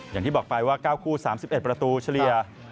อย่างที่บอกไปว่า๙คู่๓๑ประตูเฉลี่ย